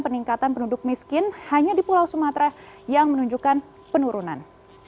peningkatan penduduk miskin hanya di pulau sumatera yang menunjukkan penurunan